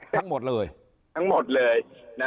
ทั้งหมดเลย